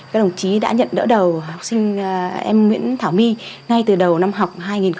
các đồng chí đã nhận đỡ đầu học sinh em nguyễn thảo my ngay từ đầu năm học hai nghìn một mươi chín hai nghìn hai mươi